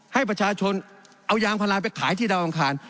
ให้ประชาชนเอายางพลายไปขายที่ดาวอังคาร